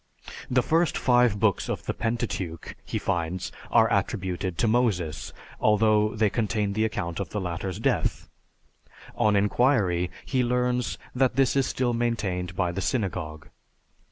The first five books of the Pentateuch, he finds, are attributed to Moses, although they contain the account of the latter's death. On inquiry, he learns that this is still maintained by the synagogue.